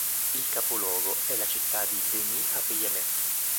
Il capoluogo è la città di Danyi-Apeyémé.